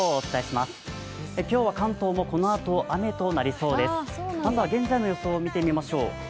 まずは現在の様子を見てみましょう。